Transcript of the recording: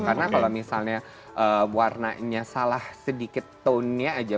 karena kalau misalnya warnanya salah sedikit tonenya aja